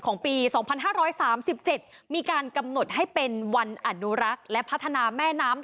ปี๒๕๓๗มีการกำหนดให้เป็นวันอนุรักษ์และพัฒนาแม่น้ำ